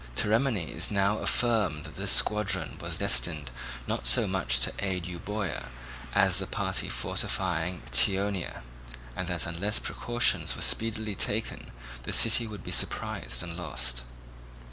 Theramenes now affirmed that this squadron was destined not so much to aid Euboea as the party fortifying Eetionia, and that unless precautions were speedily taken the city would be surprised and lost.